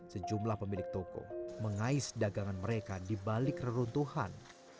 sejumlah pemilik toko mengais dagangan mereka di balik reruntuhan